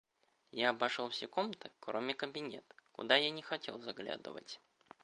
Я обошел все комнаты, кроме кабинета, куда я не хотел заглядывать.